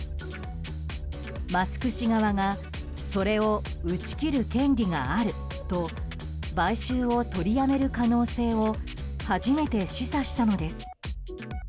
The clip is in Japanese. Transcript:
マスク氏側がそれを打ち切る権利があると買収を取りやめる可能性を初めて示唆したのです。